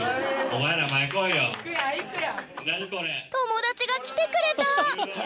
友達が来てくれた！